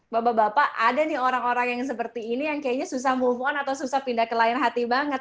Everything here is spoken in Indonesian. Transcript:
bapak bapak ada nih orang orang yang seperti ini yang kayaknya susah move on atau susah pindah ke lain hati banget